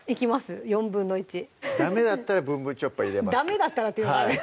１／４ダメだったら「ぶんぶんチョッパー」入れます